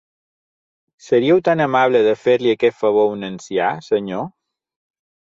Seríeu tan amable de fer-li aquest favor a un ancià, senyor?